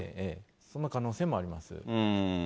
その可能性もあります。